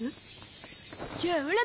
じゃあオラも。